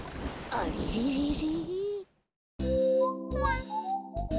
あれれれれれ。